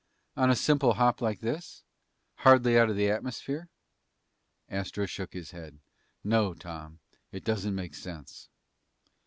"On a simple hop like this? Hardly out of the atmosphere?" Astro shook his head. "No, Tom. It doesn't make sense."